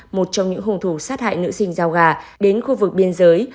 một trong những hùng thủ sát hại nữ sinh giao gà đến khu vực biên giới